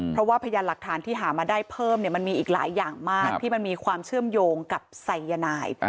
เพราะว่าพยานหลักฐานที่หามาได้เพิ่มมันมีอีกหลายอย่างมากที่มันมีความเชื่อมโยงกับไซยานาย